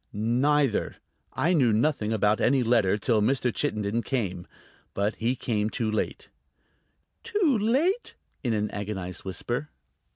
"Neither. I knew nothing about any letter till Mr. Chittenden came. But he came too late." "Too late?" in an agonized whisper.